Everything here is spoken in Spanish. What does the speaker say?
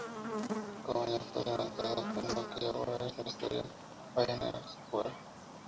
Su cabaña fue levantada en lo que ahora es la histórica Pioneer Square.